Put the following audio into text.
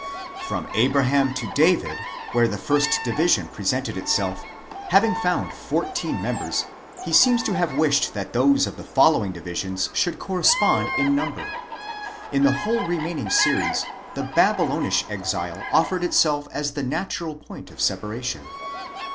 From Abraham to David, where the first division presented itself, having found fourteen members, he seems to have wished that those of the following divisions should correspond in number. In the whole remaining series the Babylonish exile offered itself as the natural point of separation.